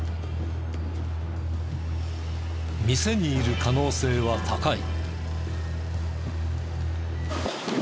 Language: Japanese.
店にいる可能性は高い。